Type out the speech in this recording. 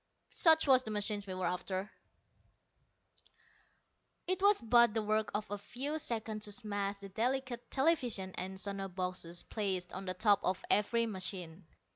Such was the machine we were after. It was but the work of a few seconds to smash the delicate television and sono boxes placed on the top of every machine.